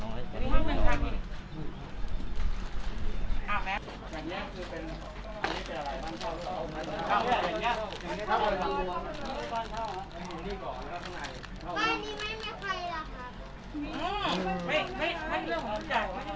ห้องบนมีกี่ห้องนี่ครับพี่บิลนี่ครับห้องนี้นินลงมาเนี่ยเหรอใช่ครับ